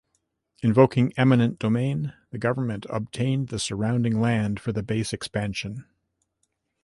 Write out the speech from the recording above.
Invoking eminent domain, the government obtained the surrounding land for the base expansion.